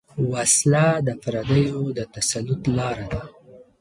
وسله د پردیو د تسلط لاره ده